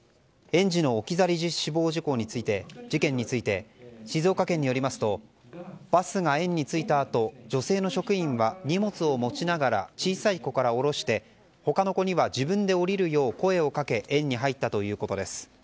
園児の置き去り死亡事件について静岡県によりますとバスが園に着いたあと女性の職員は、荷物を持ちながら小さい子から降ろして他の子には自分で降りるよう声をかけ園に入ったということです。